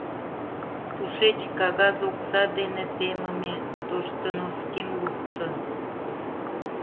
Тушеч кагаз окса дене темыме тошто носким лукто.